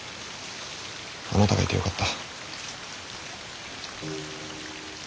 あなたがいてよかった。